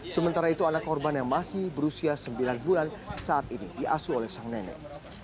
sementara itu anak korban yang masih berusia sembilan bulan saat ini diasuh oleh sang nenek